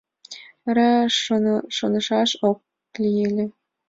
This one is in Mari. Вара шонышаш ок лий ыле...